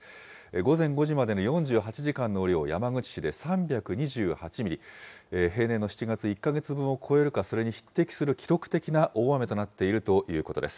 午前５時までの４８時間の雨量、山口市で３２８ミリ、平年の７月１か月分を超えるか、それに匹敵する記録的な大雨となっているということです。